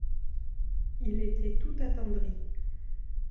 Il était tout attendri.